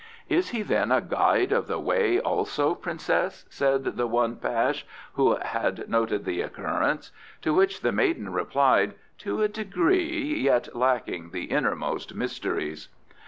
"Is he then a Guide of the Way, also, princess?" said the one Pash, who had noted the occurrence; to which the maiden replied, "To a degree, yet lacking the Innermost Mysteries."